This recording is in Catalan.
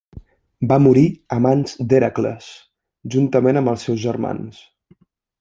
Va morir a mans d'Hèracles, juntament amb els seus germans.